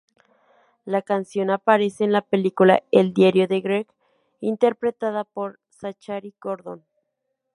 La canción aparece en la película "El diario de Greg", interpretada por Zachary Gordon.